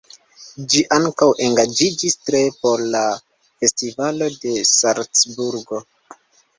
Ŝi ankaŭ engaĝiĝis tre por la Festivalo de Salcburgo.